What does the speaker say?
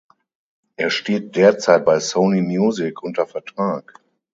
Er steht derzeit bei Sony Music unter Vertrag.